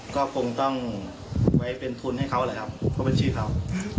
ก็คงต้องไว้เป็นทุนให้เขาเลยครับเพราะเป็นชื่อเขา